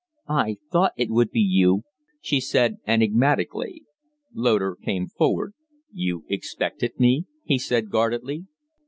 "I thought it would be you," she said, enigmatically. Loder came forward. "You expected me?" he said, guardedly.